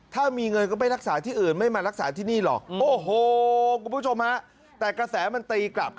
ถ้ามีเงินก็ไปรักษาที่อื่นไม่มารักษาที่นี่หรอก